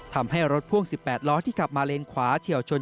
ทำให้รถพ่วง๑๘ล้อที่ขับมาเลนขวาเฉียวชน